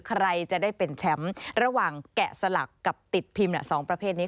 ใครจะได้เป็นแชมป์ระหว่างแกะสลักกับติดพิมพ์๒ประเภทนี้